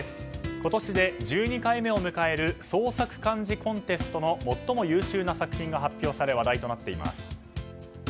今年で１２回目を迎える創作漢字コンテストの最も優秀な作品が発表され話題となっています。